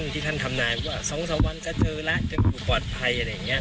ที่ท่านทำนายเพื่อก็ว่า๒๓วันจะเจอแล้วว่าจะมีปลอดภัย